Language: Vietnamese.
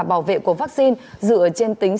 bảo vệ của vaccine dựa trên tính